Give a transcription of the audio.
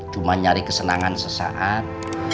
cuma nyari kesenangan sesaat